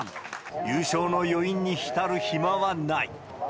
優勝の余韻に浸る暇はない。